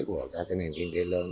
của các cái nền kinh tế lớn